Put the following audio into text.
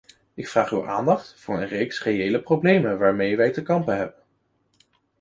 Ik vraag uw aandacht voor een reeks reële problemen waarmee wij te kampen hebben.